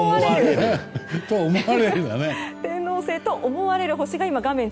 天王星と思われる星が画面